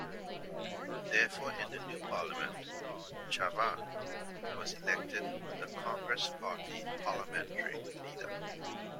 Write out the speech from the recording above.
Therefore in the new Parliament, Chavan was elected the Congress Party Parliamentary leader.